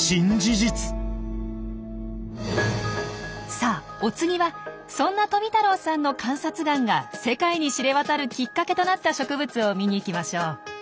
さあお次はそんな富太郎さんの観察眼が世界に知れ渡るきっかけとなった植物を見に行きましょう。